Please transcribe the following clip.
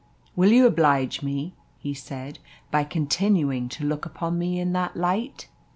"Will you oblige me," he said, "by continuing to look upon me in that light?"